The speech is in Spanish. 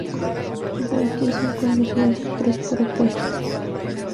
De aquí son conocidas tres propuestas.